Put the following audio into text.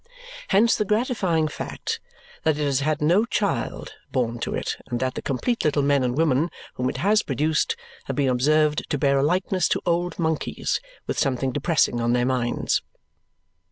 Hence the gratifying fact that it has had no child born to it and that the complete little men and women whom it has produced have been observed to bear a likeness to old monkeys with something depressing on their minds.